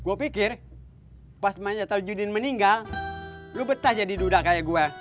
gue pikir pas manjatel judin meninggal lo betah jadi dudak kayak gue